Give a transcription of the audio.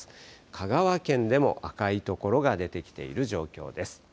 香川県でも赤いところが出てきている状況です。